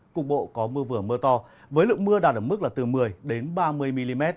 cục bộ có mưa vừa mưa to với lượng mưa đạt ở mức là từ một mươi đến ba mươi mm